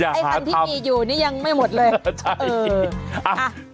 ไอ้คันที่มีอยู่นี่ยังไม่หมดเลย